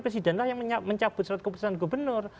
presidenlah yang mencabut surat keputusan gubernur